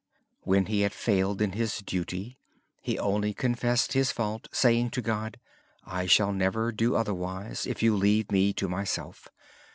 When he had failed in his duty, he only confessed his fault saying to God, "I shall never do otherwise, if You leave me to myself.